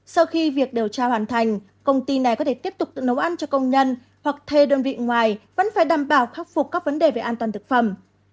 sau khi việc điều tra hoàn thành công ty này có thể tiếp tục tự nấu ăn cho công nhân hoặc thuê đơn vị ngoài vẫn phải đảm bảo khắc phục các vấn đề về an toàn thực phẩm